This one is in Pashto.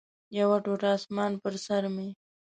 یو ټوټه اسمان پر سر مې